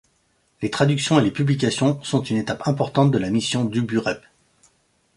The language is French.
Les traductions et les publications sont une étape importante de la mission d'Ubu Rep.